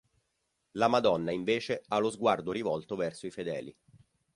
La Madonna invece ha lo sguardo rivolto verso i fedeli.